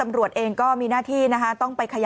คุณผู้ชมฟังเสียงผู้หญิง๖ขวบโดนนะคะ